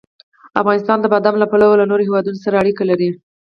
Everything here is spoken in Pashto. افغانستان د بادام له پلوه له نورو هېوادونو سره اړیکې لري.